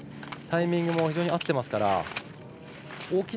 タイミングも非常に合っています。